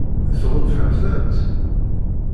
Tɣunfam-tent?